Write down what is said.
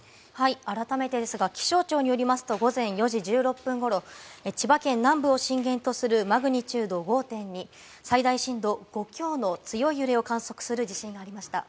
改めてですが、気象庁によりますと、午前４時１６分頃千葉県南部を震源とするマグニチュード５．２、最大震度５強の強い揺れを観測する地震がありました。